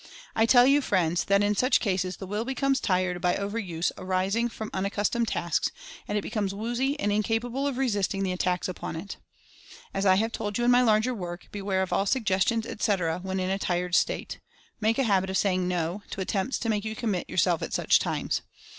I tell you, friends, that in such cases the Will becomes tired by overuse arising from unaccustomed tasks, and it becomes "woozy" and incapable of resisting the at tacks upon it. As I have told you in my larger work, beware of all suggestions, etc., when in a tired state. Make a habit of saying "No!" to attempts to make you commit yourself at such times.